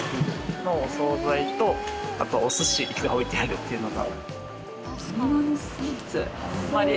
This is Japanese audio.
のお総菜とあとはお寿司が置いてあるっていうのが。